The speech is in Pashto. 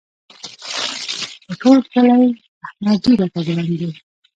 په ټول کلي احمد ډېر راته ګران دی.